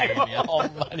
ホンマに。